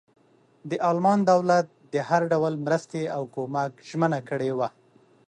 د المان دولت د هر ډول مرستې او کمک ژمنه کړې وه.